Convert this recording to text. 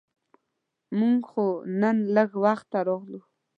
مونږ خو نن لږ وخته راغلو.